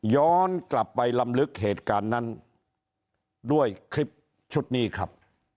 ย้อนกลับไปลำลึกเหตุการณ์นั้นด้วยคลิปชุดนี้ครับ